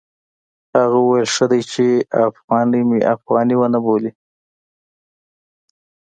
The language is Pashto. هغه وویل ښه دی چې افغاني مې افغاني ونه بولي.